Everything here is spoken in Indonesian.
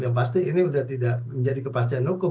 yang pasti ini sudah tidak menjadi kepastian hukum